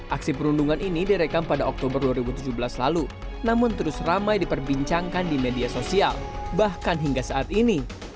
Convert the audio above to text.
aksi perundungan ini direkam pada oktober dua ribu tujuh belas lalu namun terus ramai diperbincangkan di media sosial bahkan hingga saat ini